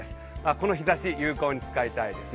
この日ざし、有効に使いたいですね。